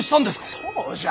そうじゃ。